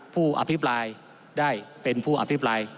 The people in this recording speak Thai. ผู้อภิปรายได้เป็นผู้อภิปราย